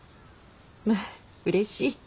まあうれしい。